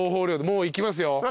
もういきますよ。